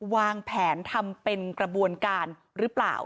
วางแผนทำเป็นกระบวนการหรือเปล่า